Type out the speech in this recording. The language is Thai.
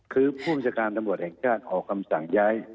คือภูมิศาจารย์ตำรวจแห่งชาติออกรำส่างย้าย